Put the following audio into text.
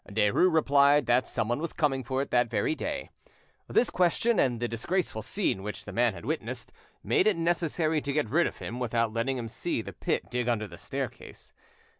Derues replied that someone was coming for it that very day. This question, and the disgraceful scene which the man had witnessed, made it necessary to get rid of him without letting him see the pit dug under the staircase.